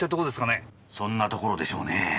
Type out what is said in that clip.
そんなところでしょうねぇ。